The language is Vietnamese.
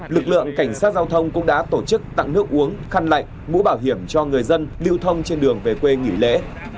lực lượng cảnh sát giao thông cũng đã tổ chức tặng nước uống khăn lạnh mũ bảo hiểm cho người dân lưu thông trên đường về quê nghỉ lễ